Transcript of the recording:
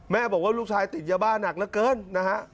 บอกว่าลูกชายติดยาบ้าหนักเหลือเกินนะฮะ